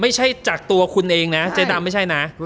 ไม่ใช่จากตัวคุณเองนะเจ๊ดำไม่ใช่นะ